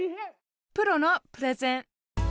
「プロのプレゼン」。